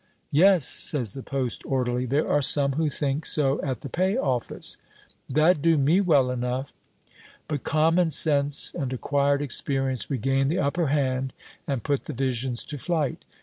"Yes," says the post orderly, "there are some who think so at the Pay office." "That'd do me well enough." But common sense and acquired experience regain the upper hand and put the visions to flight.